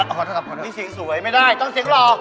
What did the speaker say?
ขอร้องกันครับนี่สิงสวยไม่ได้ต้องสิงหล่อ